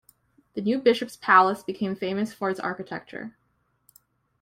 The new bishop's palace became famous for its architecture.